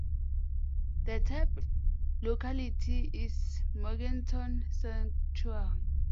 The type locality is Mornington Sanctuary.